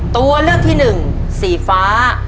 ตัวเลือกที่๑สีฟ้า